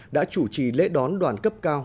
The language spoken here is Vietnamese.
đã chủ trì lễ đón đoàn cấp cao